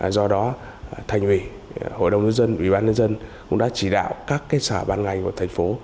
do đó thành hủy hội đồng dân dân ủy ban dân dân cũng đã chỉ đạo các cái xã bán ngành của thành phố